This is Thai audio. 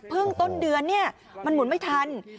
เพิ่งต้นเดือนนี้มันหมุนไม่ทัน